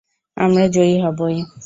আমরা জয়ী হবোই!